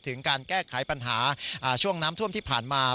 ถึงการแก้ไขปัญหาช่วงน้ำท่วมที่ผ่านมา